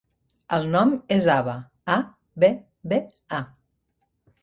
El nom és Abba: a, be, be, a.